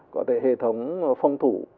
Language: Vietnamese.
có thể hệ thống phòng thủ